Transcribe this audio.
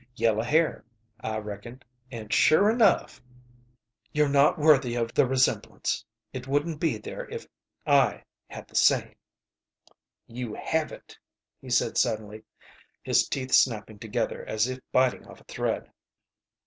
Yellow hair, I reckoned, and sure enough " "You're not worthy of the resemblance. It wouldn't be there if I had the saying." "You haven't," he said, suddenly, his teeth snapping together as if biting off a thread.